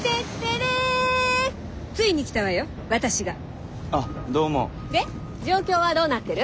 で状況はどうなってる？